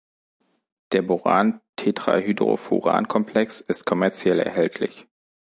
Der Boran-Tetrahydrofuran-Komplex ist kommerziell erhältlich.